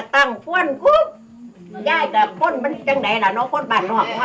พ่นฟุ้บย่ายก็พ่นมันจังไหนล่ะเนาะพ่นบาดนอก